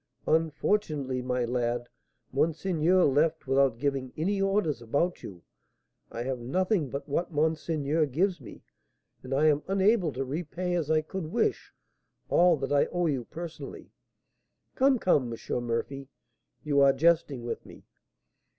"Unfortunately, my lad, monseigneur left without giving any orders about you. I have nothing but what monseigneur gives me, and I am unable to repay as I could wish all that I owe you personally." "Come, come, M. Murphy, you are jesting with me."